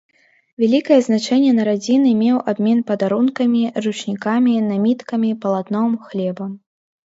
Вялікае значэнне на радзіны меў абмен падарункамі, ручнікамі, наміткамі, палатном, хлебам.